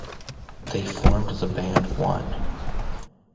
They formed the band One.